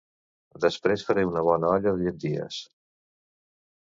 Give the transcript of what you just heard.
Després faré una bona olla de llenties